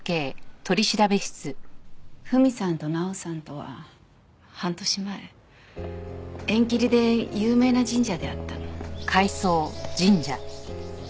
史さんと奈緒さんとは半年前縁切りで有名な神社で会ったの。